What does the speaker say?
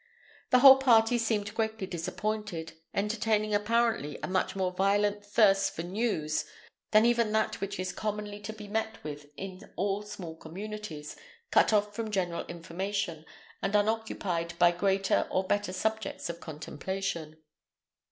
The whole party seemed greatly disappointed, entertaining apparently a much more violent thirst for news than even that which is commonly to be met with in all small communities, cut off from general information, and unoccupied by greater or better subjects of contemplation.